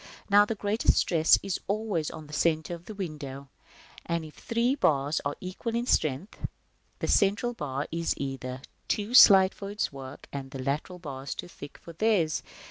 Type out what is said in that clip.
Now the greatest stress is always on the centre of the window. If the three bars are equal in strength, as at e, the central bar is either too slight for its work, or the lateral bars too thick for theirs.